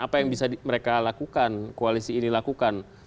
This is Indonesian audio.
apa yang bisa mereka lakukan koalisi ini lakukan